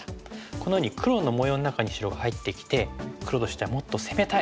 このように黒の模様の中に白が入ってきて黒としてはもっと攻めたい。